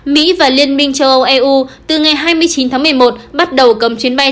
mỹ và liên minh châu âu eu từ ngày hai mươi chín tháng một mươi một bắt đầu cấm chuyến bay